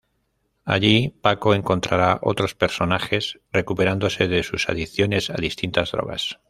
Allí Paco encontrará otros personajes recuperándose de sus adicciones a distintas drogas.